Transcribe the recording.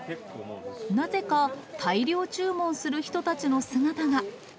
なぜか大量注文する人たちの姿が。